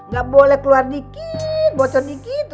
nggak boleh keluar dikit bocor dikit